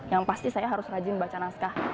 yang pasti saya harus rajin baca naskah